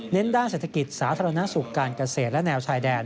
ด้านเศรษฐกิจสาธารณสุขการเกษตรและแนวชายแดน